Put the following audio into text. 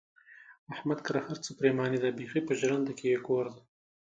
احمد کره د هر څه پرېماني ده، بیخي په ژرنده کې یې کور دی.